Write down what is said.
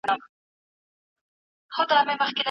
تیاره د یوه تور ټغر په څېر غوړېدلې وه.